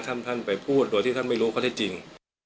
ท่านไปพูดโดยที่ท่านไม่รู้ข้อเท็จจริง